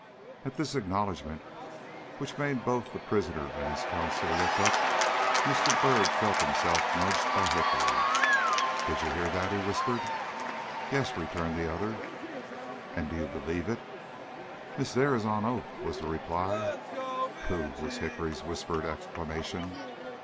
At this acknowledgment, which made both the prisoner and his counsel look up, Mr. Byrd felt himself nudged by Hickory. "Did you hear that?" he whispered. "Yes," returned the other. "And do you believe it?" "Miss Dare is on oath," was the reply. "Pooh!" was Hickory's whispered exclamation.